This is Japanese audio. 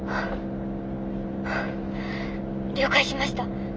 了解しました。